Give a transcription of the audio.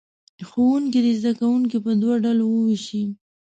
ښوونکي دې زه کوونکي په دوو ډلو ووېشي.